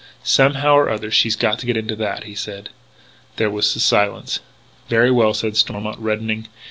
"Somehow or other she's got to get into that," he said. There was a silence. "Very well," said Stormont, reddening....